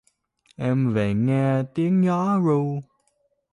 Em về nghe tiếng gió ru